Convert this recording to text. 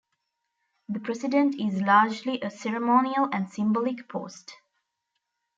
The president is largely a ceremonial and symbolic post.